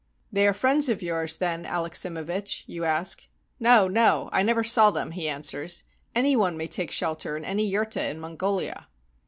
"They are friends of yours, then, Alexsimevich?" you ask. "No, no, I never saw them," he answers. "Any one may take shelter in any yurta in Mongolia."